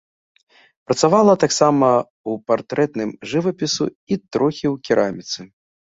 Працавала таксама ў партрэтным жывапісу і трохі ў кераміцы.